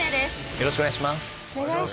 よろしくお願いします。